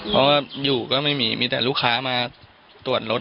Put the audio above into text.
เพราะว่าอยู่ก็ไม่มีมีแต่ลูกค้ามาตรวจรถ